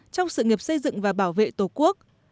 trong sự nghiệp xây dựng và bảo vệ tổ quốc